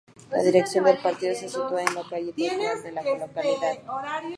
La dirección del partido se sitúa en la Calle Tetuán de la localidad.